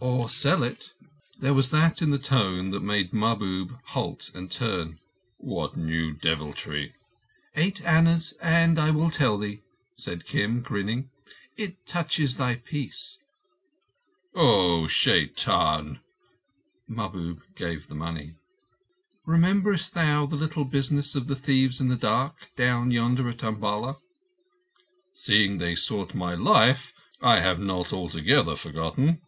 "Or sell it?" There was that in the tone that made Mahbub halt and turn. "What new devilry?" "Eight annas, and I will tell," said Kim, grinning. "It touches thy peace." "O Shaitan!" Mahbub gave the money. "Rememberest thou the little business of the thieves in the dark, down yonder at Umballa?" "Seeing they sought my life, I have not altogether forgotten.